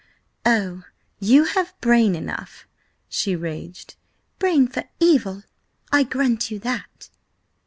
"Oh, you have brain enough!" she raged. "Brain for evil! I grant you that!"